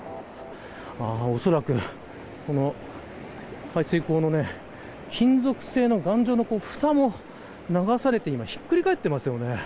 おそらく排水口の金属製の頑丈なふたも流されてひっくり返っていますよね。